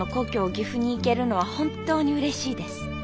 岐阜に行けるのは本当にうれしいです。